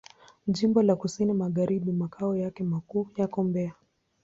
Jimbo la Kusini Magharibi Makao yake makuu yako Mbeya.